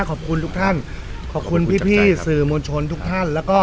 ขอบคุณทุกท่านขอบคุณพี่สื่อมวลชนทุกท่านแล้วก็